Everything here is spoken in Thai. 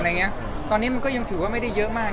ตอนนี้มันก็ยังถือว่าไม่ได้เยอะมาก